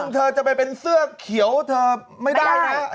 เธอจะไปเป็นเสื้อเขียวเธอไม่ได้นะ